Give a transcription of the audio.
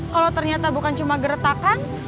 kalau ternyata bukan cuma gertakan